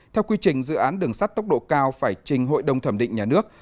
theo quy trình dự án đường sắt tốc độ cao phải trình hội đồng thẩm định nhà nước